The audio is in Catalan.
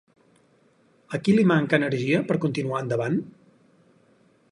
A qui li manca energia per continuar endavant?